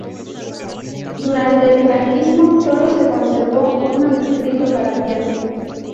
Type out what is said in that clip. Durante el Franquismo sólo se conservó un manuscrito para piano.